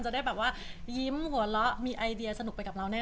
เลยความบันเทิงนะคะ